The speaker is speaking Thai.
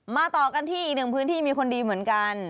ต่อกันที่อีกหนึ่งพื้นที่มีคนดีเหมือนกัน